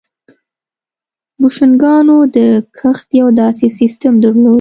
بوشنګانو د کښت یو داسې سیستم درلود